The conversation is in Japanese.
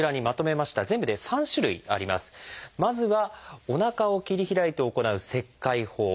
まずはおなかを切り開いて行う「切開法」。